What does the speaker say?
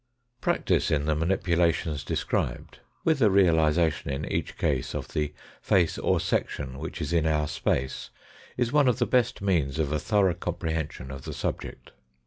Practice in the manipulations described, with a realization in each case of the face or section which is in our space, is one of the best means of a thorough comprehension of the subject.